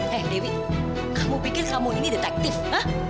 hei dewi kamu pikir kamu ini detective